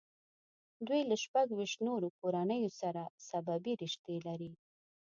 دوی له شپږ ویشت نورو کورنیو سره سببي رشتې لري.